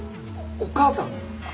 お義母さん！？